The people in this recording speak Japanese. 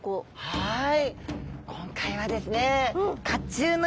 はい。